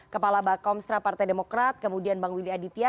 kepala bakomstra partai demokrat kemudian bang willy aditya